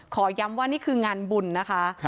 ย้ำว่านี่คืองานบุญนะคะ